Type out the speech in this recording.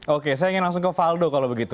oke saya ingin langsung ke valdo kalau begitu